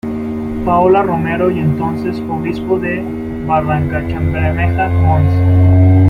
Paolo Romeo y entonces Obispo de Barrancabermeja Mons.